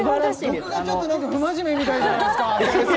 僕がちょっと何か不真面目みたいじゃないですか先生！